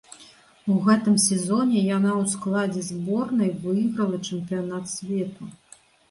У гэтым сезоне яна ў складзе зборнай выйграла чэмпіянат свету.